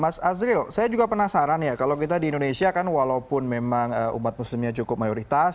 mas azril saya juga penasaran ya kalau kita di indonesia kan walaupun memang umat muslimnya cukup mayoritas